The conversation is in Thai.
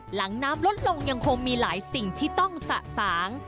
หลังน้ำลดลงยังคงมีหลายสิ่งที่ต้องสะสาง